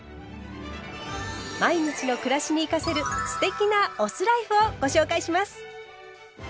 毎日の暮らしに生かせる“酢テキ”なお酢ライフをご紹介します。